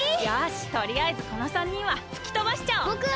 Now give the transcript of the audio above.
よしとりあえずこの３人はふきとばしちゃおう！